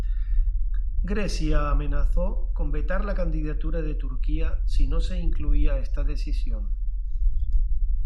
Grecia amenazó con vetar la candidatura de Turquía si no se incluía esta decisión.